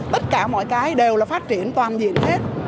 tất cả mọi cái đều là phát triển toàn diện hết